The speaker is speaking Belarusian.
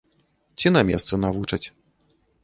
Ці на месцы навучаць.